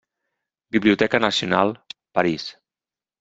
Biblioteca Nacional, París.